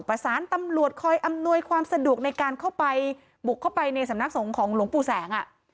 ประสานตำรวจคอยอำนวยความสะดวกในการเข้าไปบุกเข้าไปในสำนักสงฆ์ของหลวงปู่แสง